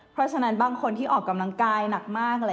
เพราะฉะนั้นบางคนที่ออกกำลังกายหนักมาก